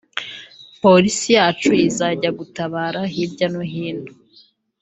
Polisi yacu izajya gutabara hirya no hino